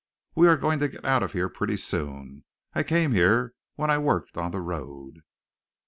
"We are going to get out of here pretty soon. I came here when I worked on the road."